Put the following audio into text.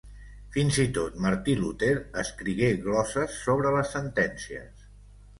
Fins i tot Martí Luter escrigué glosses sobre les sentències.